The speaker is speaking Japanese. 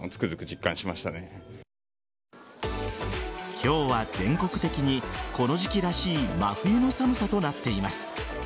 今日は全国的にこの時期らしい真冬の寒さとなっています。